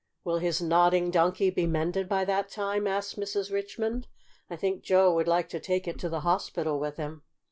"Will his Nodding Donkey be mended by that time?" asked Mrs. Richmond. "I think Joe would like to take it to the hospital with him."